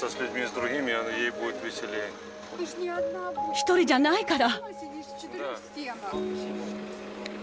１人じゃないから。